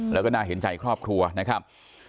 แล้วก็น่าเห็นใจครอบครัวนะครับ